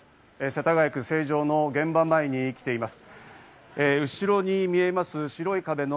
世田谷区成城の現場前に来ています。